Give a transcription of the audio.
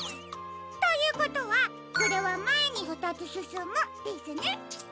ということはこれはまえにふたつすすむですね。